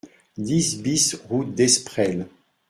dix BIS route d'Esprels